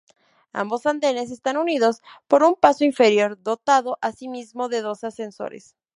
Ambos andenes están unidos por un paso inferior, dotado asimismo de dos ascensores.